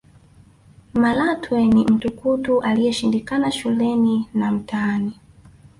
malatwe ni mtukutu aliyeshindikana shuleni na mtaani